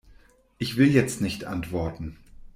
Ich will jetzt nicht antworten.